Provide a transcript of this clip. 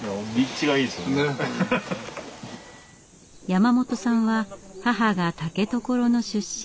山本さんは母が竹所の出身。